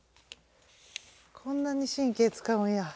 こんなに神経つかうんや。